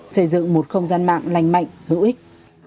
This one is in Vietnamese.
xây dựng một không gian mạng lành mạnh hữu ích